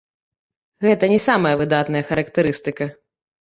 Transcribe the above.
Гэта не самая выдатная характарыстыка.